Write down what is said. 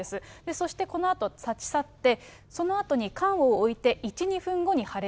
そしてこのあと立ち去って、そのあとに缶を置いて１、２分後に破裂。